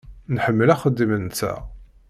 Nḥemmel axeddim-nteɣ.